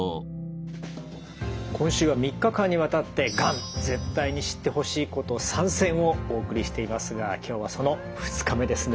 今週は３日間にわたって「がん絶対に知ってほしいこと３選」をお送りしていますが今日はその２日目ですね。